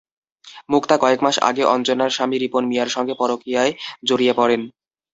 মুক্তা কয়েক মাস আগে অঞ্জনার স্বামী রিপন মিয়ার সঙ্গে পরকীয়ায় জড়িয়ে পড়েন।